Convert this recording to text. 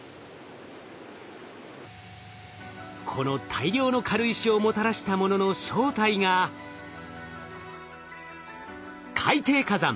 この大量の軽石をもたらしたものの正体が海底火山